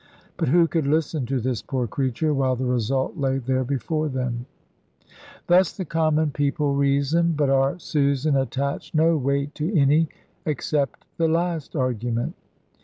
But who could listen to this poor creature, while the result lay there before them? Thus the common people reasoned; but our Susan attached no weight to any except the last argument.